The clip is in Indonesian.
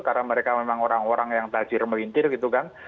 karena mereka memang orang orang yang tajir melintir gitu kan